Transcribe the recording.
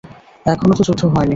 এখনও তো যুদ্ধ হয়নি।